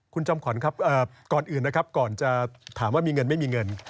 คุณจอมขวัญครับก่อนอื่นนะครับก่อนจะถามว่ามีเงินไม่มีเงิน